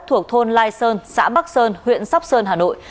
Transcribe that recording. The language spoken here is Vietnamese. thuộc thôn lai sơn xã bắc sơn huyện sóc sơn hà nội